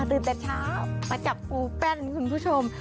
ตื่นแต่เช้ามาจับปูแป้นคุณผู้ชม